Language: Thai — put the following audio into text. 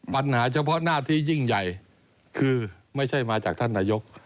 ปัญหาเฉพาะหน้าที่ยิ่งใหญ่คือไม่ใช่มาจากท่านนายก